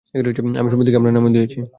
আমি সমিতিকে আপনার নামও দিয়েছি।